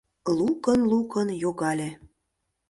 Лукын-лукын йогале.